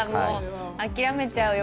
諦めちゃうよ